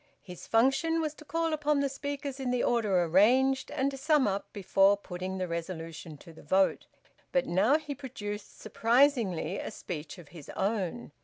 His function was to call upon the speakers in the order arranged, and to sum up before putting the resolution to the vote. But now he produced surprisingly a speech of his own.